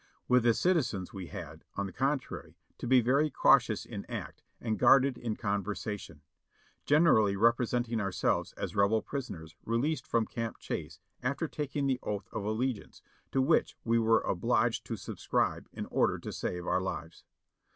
With the citizens we had, on the contrary, to be very cautious in act and guarded in conversation ; generally representing our selves as Rebel prisoners released from Camp Chase after taking the oath of allegiance, to which we were obliged to subscribe in order to save our lives.